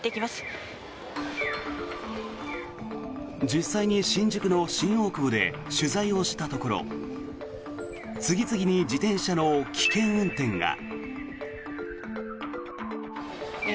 実際に新宿の新大久保で取材をしたところ次々に自転車の危険運転が。